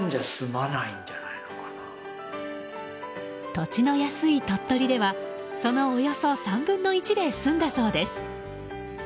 土地の安い鳥取ではそのおよそ３分の１で済んだそうです。